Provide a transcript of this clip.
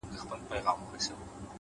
هره لاسته راوړنه د زحمت ثبوت دی؛